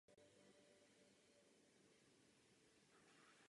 Jméno stanice je odvozeno od názvu ulice "Rue Pierre et Marie Curie".